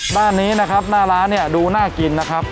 ด้านนี้นะครับหน้าร้านเนี่ยดูน่ากินนะครับ